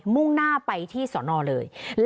มุ่งหน้าไปที่สศดนี่แหละ